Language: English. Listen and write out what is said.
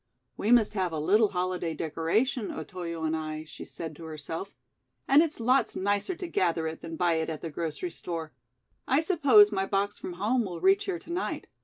"We must have a little holiday decoration, Otoyo and I," she said to herself. "And it's lots nicer to gather it than buy it at the grocery store. I suppose my box from home will reach here to night.